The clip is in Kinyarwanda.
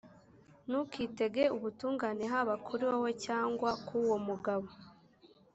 ntukitege ubutungane haba kuri wowe cyangwa ku wo mugabo